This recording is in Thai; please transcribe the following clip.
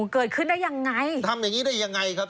เกิดขึ้นได้ยังไงทำอย่างงี้ได้ยังไงครับ